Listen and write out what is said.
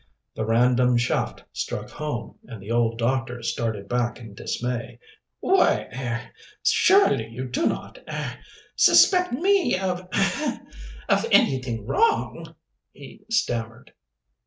The random shaft struck home, and the old doctor started back in dismay. "Why er surely you do not er suspect me of ahem of anything wrong?" he stammered.